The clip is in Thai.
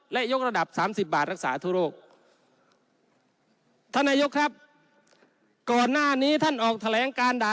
และยกระดับสามสิบบาทรักษาทั่วโลกท่านนายกครับก่อนหน้านี้ท่านออกแถลงการด่า